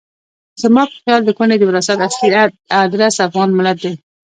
زما په خیال د کونډې د وراثت اصلي ادرس افغان ملت دی.